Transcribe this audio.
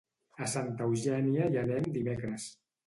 A Santa Eugènia hi anem dimecres.